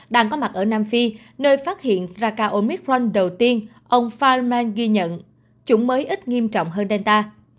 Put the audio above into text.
đang có mặt ở nam phi nơi phát hiện raka omicron đầu tiên ông feynman ghi nhận chủng mới ít nghiêm trọng hơn delta